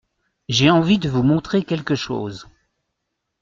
J’ai envie de vous montrer quelque chose.